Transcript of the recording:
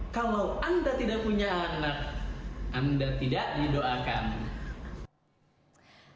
kalau anda tidak punya anak anda tidak didoakan